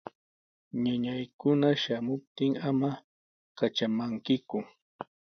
Ñakaykuna shamuptin ama katramankiku.